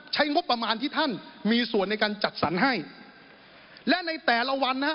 ใช้งบประมาณที่ท่านมีส่วนในการจัดสรรให้และในแต่ละวันนะฮะ